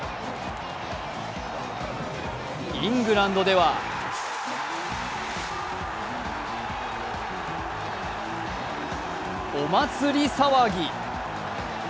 イングランドではお祭り騒ぎ。